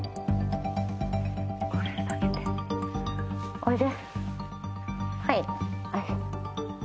おいで。